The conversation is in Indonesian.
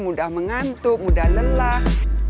mudah mengantuk mudah lelah